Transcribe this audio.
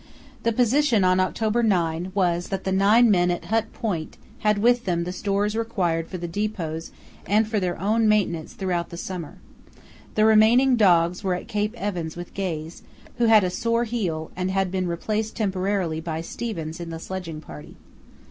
The position on October 9 was that the nine men at Hut Point had with them the stores required for the depots and for their own maintenance throughout the summer. The remaining dogs were at Cape Evans with Gaze, who had a sore heel and had been replaced temporarily by Stevens in the sledging party.